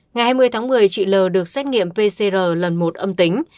ngày hai mươi tháng một mươi chị l được xét nghiệm pcr lần một âm tính